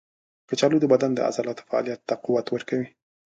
کچالو د بدن د عضلاتو فعالیت ته قوت ورکوي.